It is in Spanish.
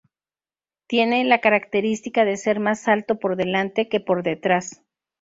Tiene la característica de ser más alto por delante que por detrás.